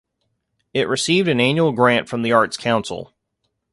It received an annual grant from the Arts Council.